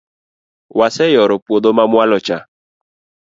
waseyoro puodho ma mwalo cha